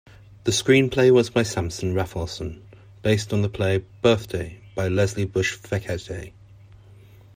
The screenplay was by Samson Raphaelson based on the play "Birthday" by Leslie Bush-Fekete.